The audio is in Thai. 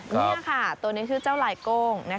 นี่ครับตัวนี้ชื่อเจ้าลายโก้งนะคะ